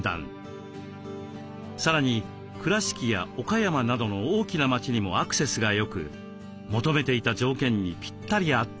さらに倉敷や岡山などの大きな街にもアクセスがよく求めていた条件にピッタリ合ったのです。